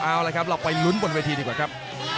เอาละครับเราไปลุ้นบนเวทีดีกว่าครับ